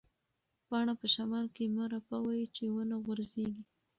پاڼه په شمال کې مه رپوئ چې ونه غوځېږي.